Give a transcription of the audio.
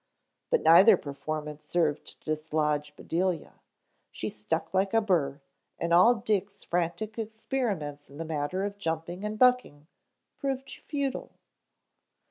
But neither performance served to dislodge Bedelia. She stuck like a burr and all Dick's frantic experiments in the matter of jumping and bucking proved futile.